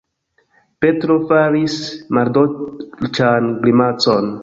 Petro faris maldolĉan grimacon.